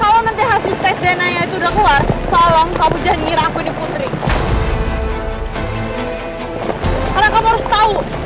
lebih ingin heading kota